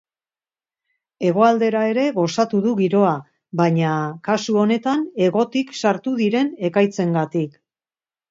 Hegoaldera ere gozatu du giroa, baina kasu honetan hegotik sartu diren ekaitzengatik.